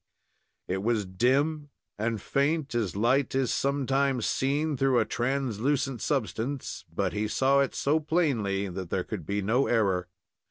It was dim and faint, as light is sometimes seen through a translucent substance, but he saw it so plainly that there could be no error.